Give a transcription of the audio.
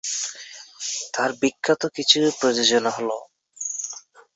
তার বিখ্যাত কিছু প্রযোজনা হলঃ